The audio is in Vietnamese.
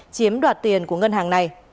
chiếm đoạt tiền của ngân hàng này